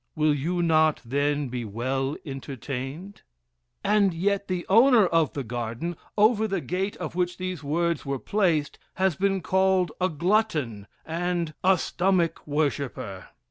Will you not, then, be well entertained?" And yet the owner of the garden, over the gate of which these words were placed, has been called "a glutton" and "a stomach worshipper!"